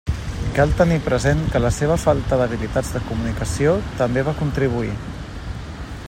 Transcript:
Cal tenir present que la seva falta d'habilitats de comunicació també va contribuir.